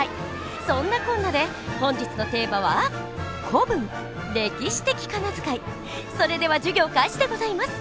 そんなこんなで本日のテーマはそれでは授業開始でございます。